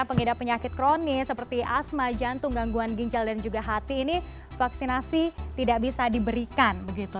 pengidap penyakit kronis seperti asma jantung gangguan ginjal dan juga hati ini vaksinasi tidak bisa diberikan begitu